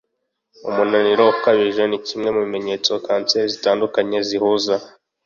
Umunaniro ukabije, ni kimwe mu bimenyetso kanseri zitandukanye zihuza.